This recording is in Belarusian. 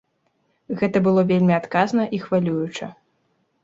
Гэта было вельмі адказна і хвалююча.